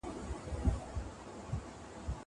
په ټولګي کي د نورو زده کوونکو سره مرسته وکړه.